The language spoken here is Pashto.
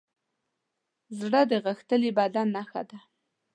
زړه د غښتلي بدن نښه ده.